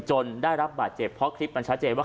ได้รับบาดเจ็บเพราะคลิปมันชัดเจนว่า